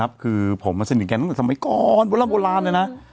ขอบคุณนะพี่ก้อมนะ